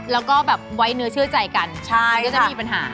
แล้วก็แบบไว้เนื้อเชื่อใจกันใช่ค่ะมันจะไม่มีปัญหา